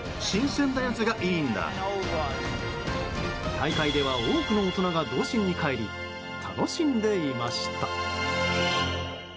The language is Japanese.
大会では多くの大人が童心に帰り、楽しんでいました。